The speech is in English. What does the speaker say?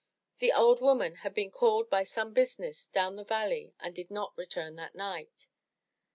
The old woman had been called by some business down the valley and did not return that night.